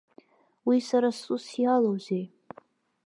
Уи сара сусс иалоузеи!